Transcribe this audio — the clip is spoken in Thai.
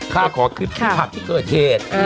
ค่ะคำที่เกิดเหตุ